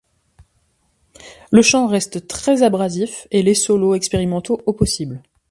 Le chant reste très abrasif et les solo expérimentaux au possible.